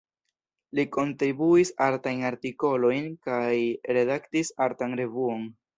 Li kontribuis artajn artikolojn kaj redaktis artan revuon.